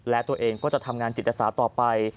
และตัวเองก็จะทำงานจิตสาต่อไป